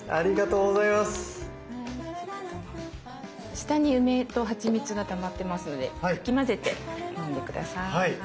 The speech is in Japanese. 下に梅とはちみつがたまってますのでかき混ぜて飲んで下さい。